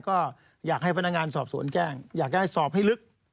ก็อยากให้พนักงานสอบสวนแจ้งอยากจะให้สอบให้ลึก